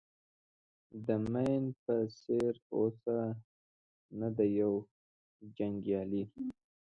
د مین په څېر اوسه نه د یو جنګیالي.